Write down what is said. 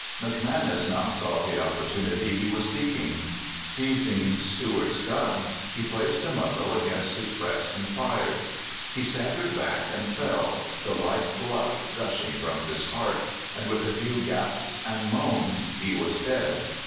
McManus now saw the opportunity he was seeking. Seizing Stewart's gun, he placed the muzzle against his breast, and fired. He staggered back and fell, the lifeblood gushing from his heart, and with a few gasps and moans he was dead.